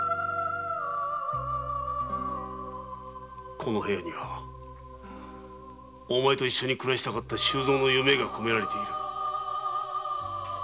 この部屋にはお前と一緒に暮らしたかった周蔵の夢がこめられている。